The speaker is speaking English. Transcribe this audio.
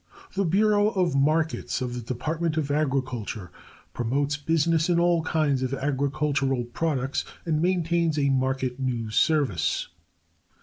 The Bureau of Markets of the Department of Agriculture promotes business in all kinds of agricultural products, and maintains a market news service.